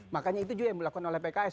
makanya itu juga yang dilakukan oleh pks